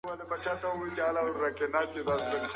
له ناولونو او تاریخ سره د پلار مینه زیاته وه.